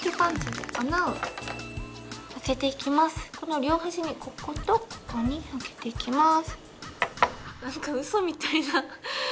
この両端にこことここに開けていきます。